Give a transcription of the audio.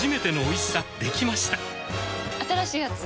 新しいやつ？